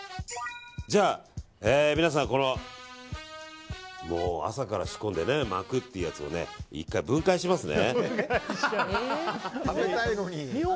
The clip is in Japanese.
じゃあ皆さん、朝から仕込んで巻くっていうやつを１回分解しますね。